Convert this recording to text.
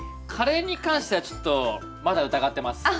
カレーに関してはちょっとまだ疑ってます。